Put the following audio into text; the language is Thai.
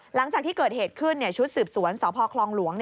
หลังจากที่เกิดเหตุขึ้นชุดสืบสวนสพคลองหลวง